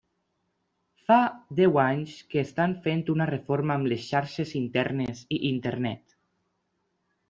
Fa deu anys que estan fent una reforma amb xarxes internes i Internet.